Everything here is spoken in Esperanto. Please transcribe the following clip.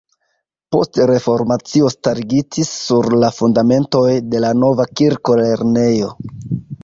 Post Reformacio starigitis sur la fundamentoj de la nova kirko lernejo.